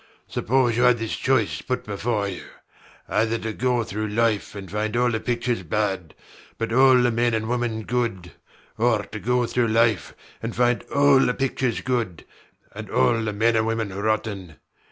Suppose you had this choice put before you: either to go through life and find all the pictures bad but all the men and women good, or to go through life and find all the pictures good and all the men and women rotten.